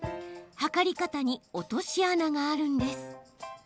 測り方に落とし穴があるんです。